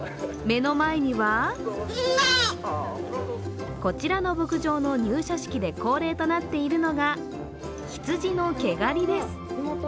目の前にはこちらの牧場の入社式で恒例となっているのが羊の毛刈りです。